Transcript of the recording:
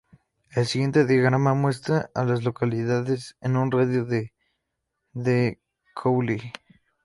El siguiente diagrama muestra a las localidades en un radio de de Cowley.